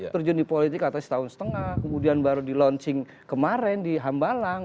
terjun di politik atas setahun setengah kemudian baru di launching kemarin di hambalang